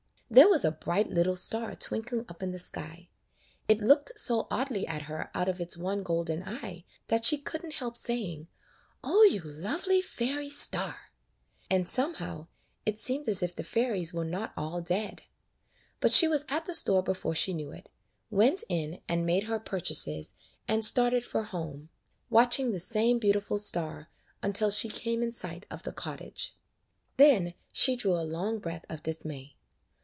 There was a bright little star twinkling up in the sky. It looked so oddly at her out of its one golden eye that she could n't help saying, "O you lovely fairy star!" and somehow it seemed as if the fairies were not all dead. But she was at the store before she knew it, went in and made her purchases, and started for [ 34 ]" She gave Kathie the basket " KATHIE^S FAIRY LAND home, watching the same beautiful star until she came in sight of the cottage. Then she drew a long breath of dismay.